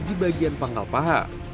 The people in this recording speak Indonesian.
di bagian pangkal paha